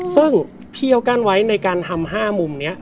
ซึ่งพี่เขากั้นไว้ในการทำ๕มุมนี้